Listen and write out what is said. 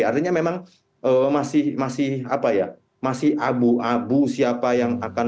artinya memang masih abu abu siapa yang akan